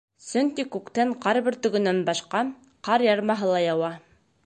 — Сөнки күктән ҡар бөртөгөнән башҡа, ҡар ярмаһы ла яуа.